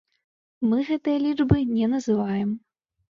Мы гэтыя лічбы не называем.